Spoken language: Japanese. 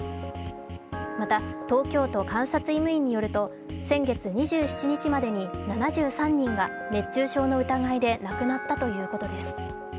また、東京都監察医務院によると先月２７日までに７３人が熱中症の疑いで亡くなったということです。